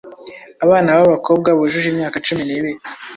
Abana b’abakobwa bujuje imyaka cumi n’ibiri